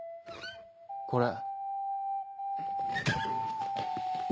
これ。